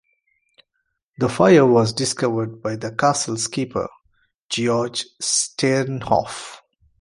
The fire was discovered by the castle's keeper, Georg Stiernhoff.